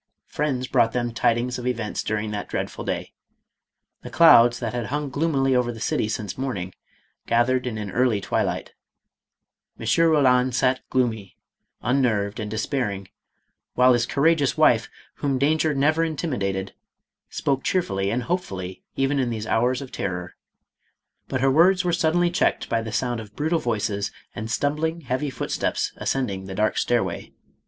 Friends brought them tidings of events du ring that dreadful day. The clouds, that had hung gloomily over the city since morning, gathered in an early twilight. M. Eoland sat gloomy, unnerved and despairing, while his courageous wife, whom danger never intimidated, spoke cheerfully and hopefully even in these hours of terror ; but her words were suddenly checked by the sound of brutal voices and stumbling heavy footsteps ascending the dark stairway.